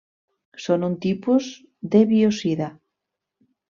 Són un tipus de biocida.